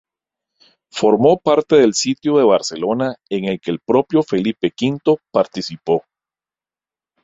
Formó parte del sitio de Barcelona, en el que el propio Felipe V participó.